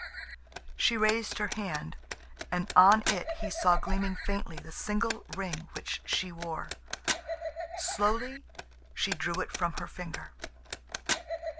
She raised her hand, and on it he saw gleaming faintly the single ring which she wore. Slowly she drew it from her finger.